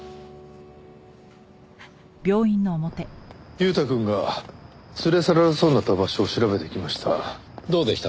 裕太くんが連れ去られそうになった場所を調べてきました。